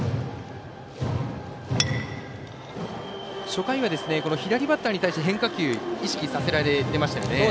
初回、左バッターに対して変化球意識させられてましたよね。